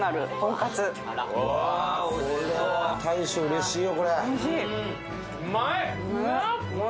これは大将、うれしいよ。